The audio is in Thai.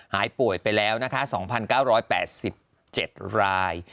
หายป่วยไปแล้วนะคะ๒๙๘๗ราย